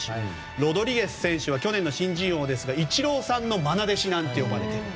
ロドリゲス選手は去年の新人王ですがイチローさんの愛弟子なんて呼ばれて。